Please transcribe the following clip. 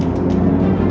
aku akan mencari cherry